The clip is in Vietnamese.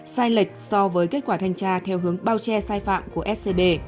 sai lệch so với kết quả thanh tra theo hướng bao che sai phạm của scb